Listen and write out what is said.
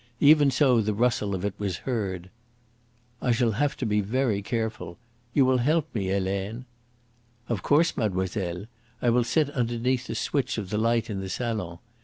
Even so, the rustle of it was heard. "I shall have to be very careful. You will help me, Helene?" "Of course, mademoiselle. I will sit underneath the switch of the light in the salon.